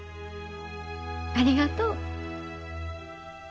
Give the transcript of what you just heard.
ありがとう。